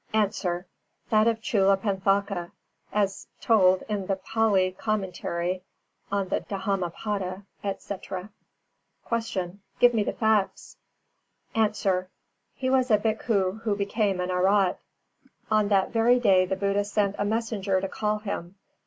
_ A. That of Chullapanthaka, as told in the Pālī Commentary on the Dhammapada, etc. 350. Q. Give me the facts. A. He was a bhikkhu who became an Arhat. On that very day the Buddha sent a messenger to call him.